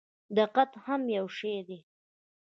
دقت هم یو شی دی.